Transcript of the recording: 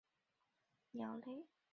黄嘴河燕鸥为鸥科燕鸥属的鸟类。